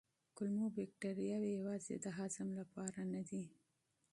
کولمو بکتریاوې یوازې د هضم لپاره نه دي.